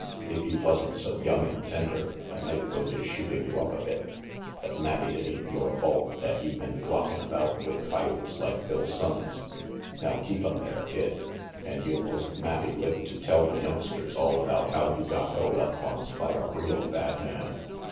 If you wasn't so young and tender, I might go to shooting you up a bit, but mabbe it ain't yore fault that you been flockin' about with coyotes like Bill Sonnes. Now keep 'em there, Kid, and you'll most mabbe live to tell the youngsters all about how you got held up once by a real bad man."